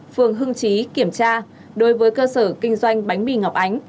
phường hưng trí kiểm tra đối với cơ sở kinh doanh bánh mì ngọc ánh